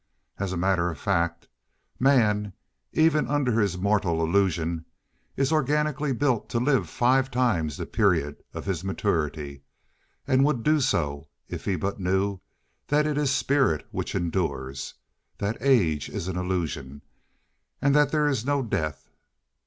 As a matter of fact, man, even under his mortal illusion, is organically built to live five times the period of his maturity, and would do so if he but knew that it is spirit which endures, that age is an illusion, and that there is no death.